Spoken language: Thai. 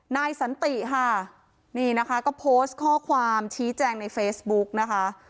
นายสันติค่ะนี่นะคะก็โพสต์ข้อความชี้แจงในเฟซบุ๊กนะคะ